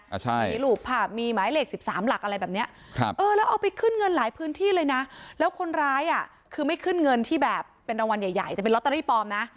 อ่าใช่มีรูปภาพมีหมายเลขสิบสามหลักอะไรแบบเนี้ยครับเออแล้วเอาไปขึ้นเงินหลายพื้นที่เลยนะแล้วคนร้ายอ่ะคือไม่ขึ้นเงินที่แบบเป็นรางวัลใหญ่ใหญ่จะเป็นลอตเตอรี่ปลอมนะ